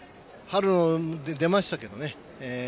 春も出ましたけどね